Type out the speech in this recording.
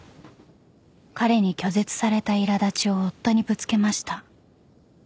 ［彼に拒絶されたいら立ちを夫にぶつけました］